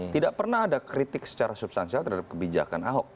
tidak pernah ada kritik secara substansial terhadap kebijakan ahok